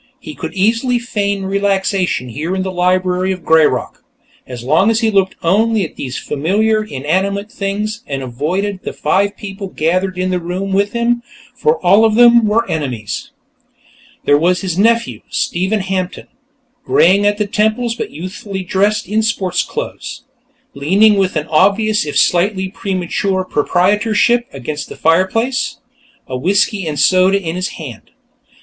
He could easily feign relaxation here in the library of "Greyrock," as long as he looked only at these familiar inanimate things and avoided the five people gathered in the room with him, for all of them were enemies. There was his nephew, Stephen Hampton, greying at the temples but youthfully dressed in sports clothes, leaning with obvious if slightly premature proprietorship against the fireplace, a whiskey and soda in his hand.